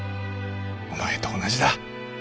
お前と同じだ。